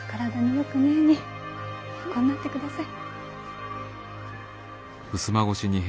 横んなってください。